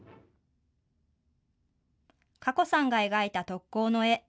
かこさんが描いた特攻の絵。